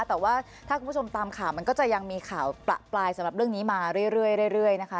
แต่ว่าถ้าคุณผู้ชมตามข่าวมันก็จะยังมีข่าวประปรายสำหรับเรื่องนี้มาเรื่อยนะคะ